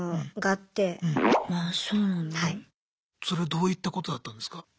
それはどういったことだったんですか？